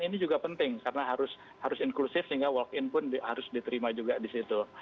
ini juga penting karena harus inklusif sehingga walk in pun harus diterima juga di situ